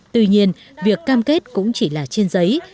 tuy nhiên việc cam kết cũng chỉ là trên giấy